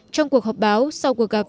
trong cuộc họp báo sau cuộc gặp